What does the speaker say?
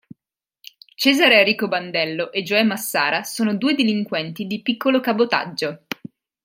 Cesare Rico Bandello e Joe Massara sono due delinquenti di piccolo cabotaggio.